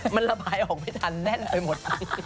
มันระบายออกไม่ทันแน่นไปหมด